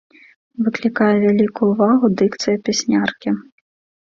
Выклікае вялікую ўвагу дыкцыя пясняркі.